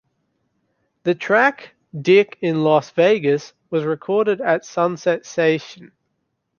The track, "Dick in Las Vegas", was recorded at Sunset Station.